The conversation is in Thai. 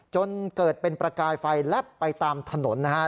จนเกิดเป็นประกายไฟแลบไปตามถนนนะฮะ